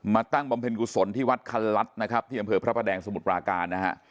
มาตั้งบำเพ็ญกุศลที่วัดคันรัฐที่ดำเผยพระพระแดงสมุทรปลาการ